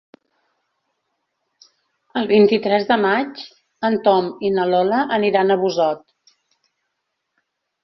El vint-i-tres de maig en Tom i na Lola aniran a Busot.